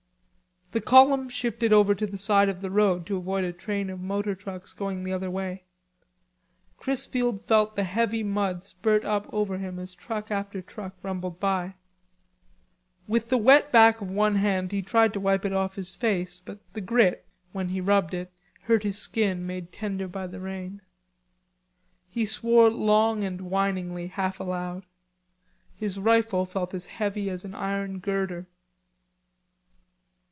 The column shifted over to the side of the road to avoid a train of motor trucks going the other way. Chrisfield felt the heavy mud spurt up over him as truck after truck rumbled by. With the wet back of one hand he tried to wipe it off his face, but the grit, when he rubbed it, hurt his skin, made tender by the rain. He swore long and whiningly, half aloud. His rifle felt as heavy as an iron girder.